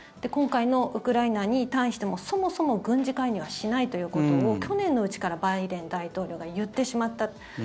今回のウクライナに対してもそもそも軍事介入はしないということを去年のうちからバイデン大統領が言ってしまった。